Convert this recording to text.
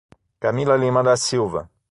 Camila Lima da Silva